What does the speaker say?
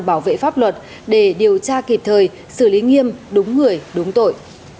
bảo vệ pháp luật để điều tra kịp thời xử lý nghiêm đúng người đúng tội